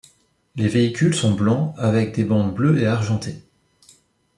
Les véhicules sont blancs avec des bandes bleues et argentées.